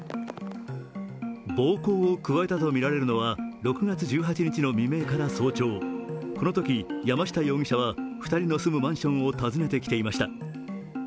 暴行を加えたとみられるのは６月１８日の未明から早朝このとき山下容疑者は２人の住むマンションを訪ねてきていました。